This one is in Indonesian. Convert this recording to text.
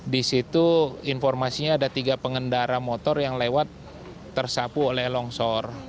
di situ informasinya ada tiga pengendara motor yang lewat tersapu oleh longsor